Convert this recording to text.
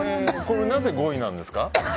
なぜ、５位なんですか？